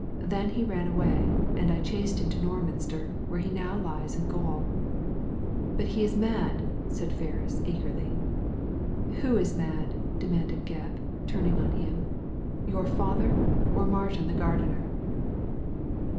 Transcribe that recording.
Then he ran away, and I chased him into Norminster, where he now lies in gaol." " But he is mad !" said Ferris, eagerly. *Who is mad ?" demanded Gebb, turning on him. "Your father, or Martin the gardener?"